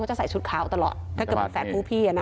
จะใส่ชุดขาวตลอดถ้าเกิดเป็นแฝดผู้พี่อ่ะนะ